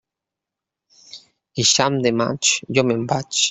Eixam de maig, jo me'n vaig.